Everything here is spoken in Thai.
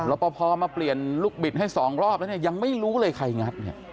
ปภมาเปลี่ยนลูกบิดให้สองรอบแล้วเนี่ยยังไม่รู้เลยใครงัดเนี่ย